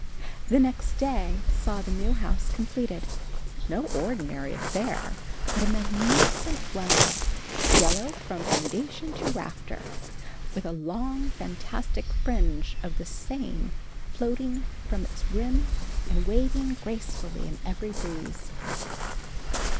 The next day saw the new house completed no ordinary affair, but a magnificent dwelling, yellow from foundation to rafter, with a long, fantastic fringe of the same floating from its rim and waving gracefully in every breeze.